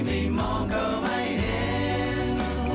ไม่มองก็ไม่เห็น